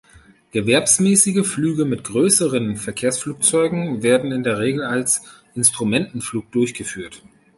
Gewerbsmäßige Flüge mit größeren Verkehrsflugzeugen werden in der Regel als Instrumentenflug durchgeführt.